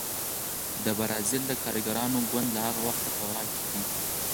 د بزازیل د کارګرانو ګوند له هغه وخته په واک کې دی.